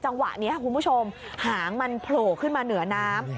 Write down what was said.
จังหวะนี้คุณผู้ชมหางมันโผล่ขึ้นมาเหนือน้ำ